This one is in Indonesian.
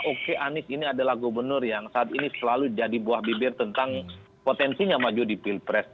oke anies ini adalah gubernur yang saat ini selalu jadi buah bibir tentang potensinya maju di pilpres